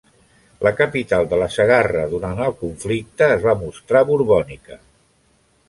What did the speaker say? La capital de la Segarra durant el conflicte es va mostrar borbònica.